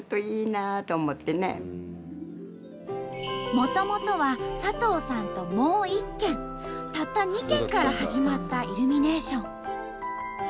もともとは佐藤さんともう１軒たった２軒から始まったイルミネーション。